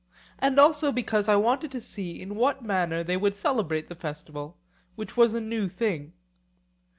and also because I wanted to see in what manner they would celebrate the festival, which was a new thing.